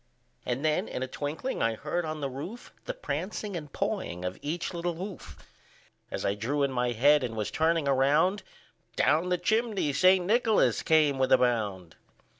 And then in a twinkling I heard on the roof, The prancing and pawing of each little hoof. As I drew in my head, and was turning around, Down the chimney St. Nicholas came with a bound.